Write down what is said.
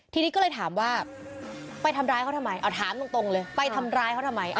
ทีนี้ก็เลยถามว่าไปทำร้ายเขาทำไมเอาถามตรงเลยไปทำร้ายเขาทำไม